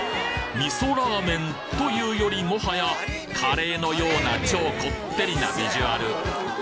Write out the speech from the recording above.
味噌ラーメンというよりもはやカレーのような超こってりなビジュアル